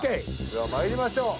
では参りましょう。